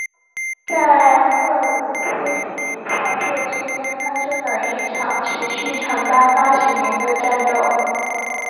在荷鲁斯与赛特之间发生了一场持续了长达八十年的战斗。